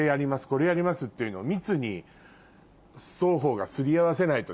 これやりますっていうのを。